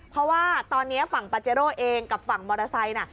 เพราะว่าตอนนี้ฝั่งปาเจโร่เองกับฝั่งมอเตอร์ไซค์น่ะ